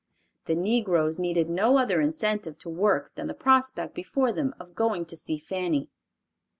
The negroes needed no other incentive to work than the prospect before them of going to see Fanny.